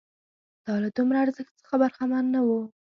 دا له دومره ارزښت څخه برخمن نه وو